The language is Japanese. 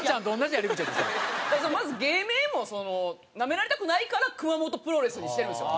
まず芸名もナメられたくないから「熊元プロレス」にしてるんですよ。